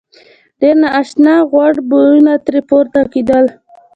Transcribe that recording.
ډېر نا آشنا غوړ بویونه ترې پورته کېدل.